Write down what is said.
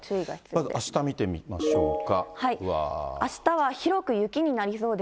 まずあした見てみましょうか。